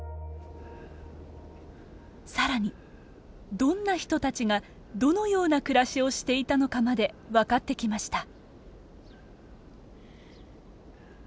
更にどんな人たちがどのような暮らしをしていたのかまで分かってきました。